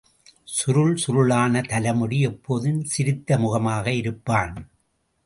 சுருள் சுருளான தலைமுடி எப்போதும் சிரித்த முகமாக இருப்பான்.